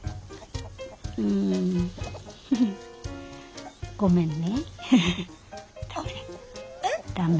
うんごめんね駄目。